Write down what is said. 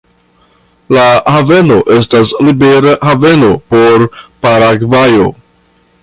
La haveno estas libera haveno por Paragvajo.